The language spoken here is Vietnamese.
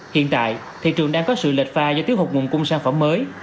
hiện tại thị trường đang có sự lệch pha do thiếu hụt nguồn cung sản phẩm mới